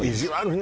ね